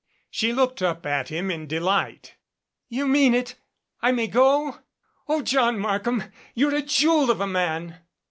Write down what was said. She looked up at him in delight. "You mean it? I may go? Oh, John Markham, you're a jewel of a man."